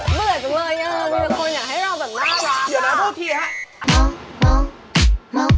เหมือนเมื่อจงเลยจะมีคนอยากให้เรารอแบบน่ารัก